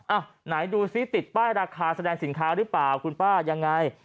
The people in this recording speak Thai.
อ่ะไหนดูซิติดป้ายราคาแสดงสินค้าหรือเปล่าคุณป้ายังไง